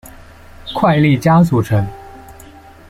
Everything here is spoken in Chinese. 快利佳组成。